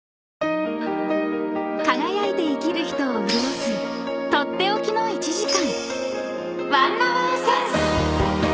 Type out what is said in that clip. ［輝いて生きる人を潤す取って置きの１時間］